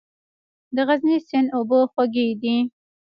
د غزني سیند اوبه خوږې دي